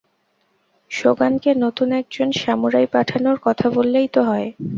সোগানকে নতুন একজন সামুরাই পাঠানোর কথা বললেই তো হয়।